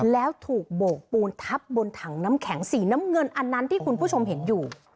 แล้วถูกโบกปูนทับบนถังน้ำแข็งสีน้ำเงินอันนั้นที่คุณผู้ชมเห็นอยู่